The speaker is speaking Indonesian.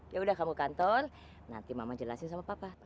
yaudah kamu ke kantor nanti mama jelasin sama papa